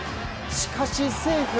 しかしセーフ。